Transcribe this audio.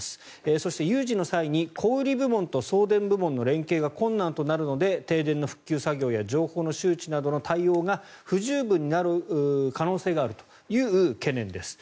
そして有事の際に小売り部門と送電部門の連携が困難となるので停電の復旧作業や情報の周知などの対応が不十分になる可能性があるという懸念です。